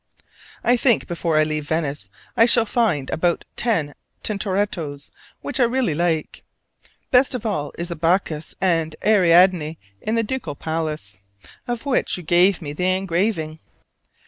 I think before I leave Venice I shall find about ten Tintorettos which I really like. Best of all is that Bacchus and Ariadne in the Ducal Palace, of which you gave me the engraving.